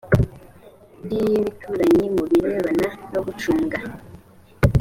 by ibituranyi mu birebana no gucunga